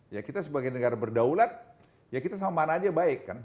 ya kita sebagai negara berdaulat ya kita sama mana aja baik kan